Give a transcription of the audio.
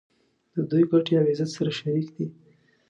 د دوی ګټې او عزت سره شریک دي.